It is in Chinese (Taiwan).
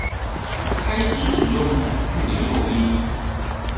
開始使用載具的誘因